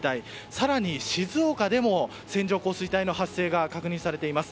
更に静岡でも線状降水帯の発生が確認されています。